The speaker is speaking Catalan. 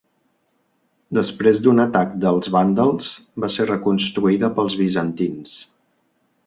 Després d'un atac dels vàndals, va ser reconstruïda pels bizantins.